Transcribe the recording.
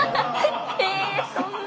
えそんな。